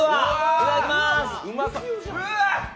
いただきまーす。